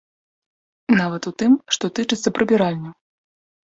Нават у тым, што тычыцца прыбіральняў.